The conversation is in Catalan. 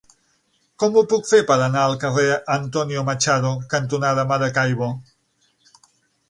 Com ho puc fer per anar al carrer Antonio Machado cantonada Maracaibo?